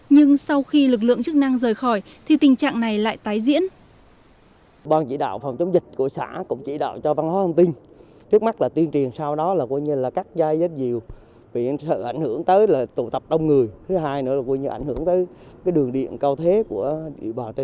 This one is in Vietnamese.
nhưng sau khi lực lượng chức năng rời khỏi thì tình trạng này lại tái diễn